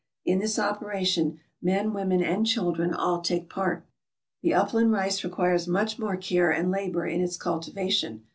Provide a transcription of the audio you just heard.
In this operation, men, women and children, all take part. The upland rice requires much more care and labor in its cultivation.